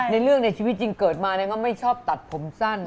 ในเรื่องในชีวิตจริงเกิดมาไม่ชอบตัดผมสั้น